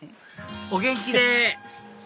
お元気で！